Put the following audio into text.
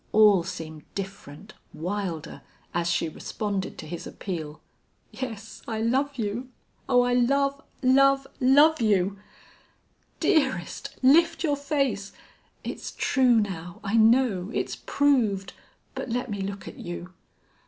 All seemed different, wilder, as she responded to his appeal: "Yes, I love you! Oh, I love love love you!" "Dearest!... Lift your face.... It's true now. I know. It's proved. But let me look at you."